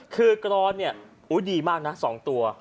คือกรณ์หรอดีมากนะ๒ตัว